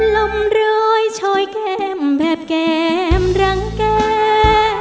ลมรอยชอยเข้มแบบแก้มรังแก้